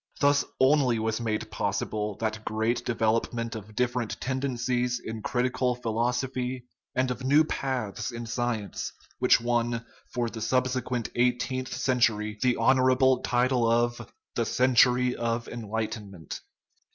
Thus only was made possible that great development of different tendencies in critical philosophy and of new paths in sci ence which won for the subsequent eighteenth century the honorable title of * the century of enlightenment."